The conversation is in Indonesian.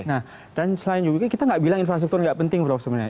nah dan selain juga kita nggak bilang infrastruktur nggak penting prof sebenarnya